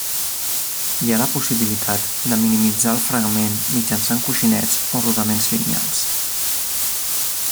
Hi ha la possibilitat de minimitzar el fregament mitjançant coixinets o rodaments lineals.